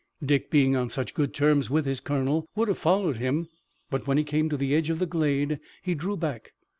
Dick, being on such good terms with his colonel, would have followed him, but when he came to the edge of the glade he drew back.